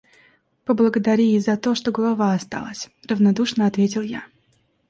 — Поблагодари и за то, что голова осталась, — равнодушно ответил я.